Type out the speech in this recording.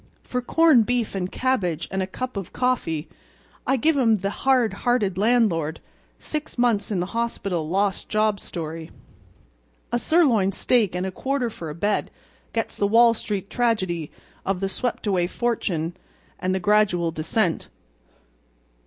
For corned beef and cabbage and a cup of coffee I give 'em the hard hearted landlord—six months in the hospital lost job story. A sirloin steak and a quarter for a bed gets the Wall Street tragedy of the swept away fortune and the gradual descent.